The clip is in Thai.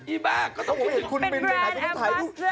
อีบ้าก็ต้องคิดถึงเป็นแบรนด์แอร์บัสเตอร์เหรอ